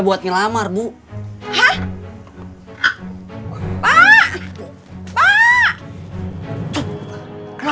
kalau kamu ngelamar